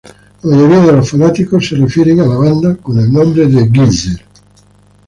La mayoría de fanáticos se refieren a la banda con el nombre de Geezer.